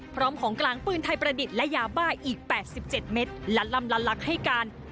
พร้อมของกลางปืนไทยประดิษฐ์และยาบ้าอีก๘๗เมตรและลำละลักให้การ